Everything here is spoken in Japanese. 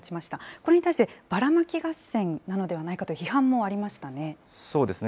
これに対して、ばらまき合戦なのではないかという批判もありましたね。